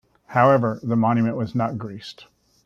However, the monument was not greased.